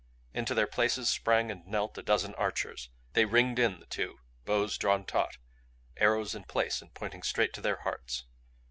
Into their places sprang and knelt a dozen archers. They ringed in the two, bows drawn taut, arrows in place and pointing straight to their hearts.